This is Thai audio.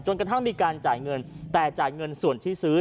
จนกระทั่งบริการส่งเงินมาแต่จ่ายเงินเป็นส่วนที่ซื้อ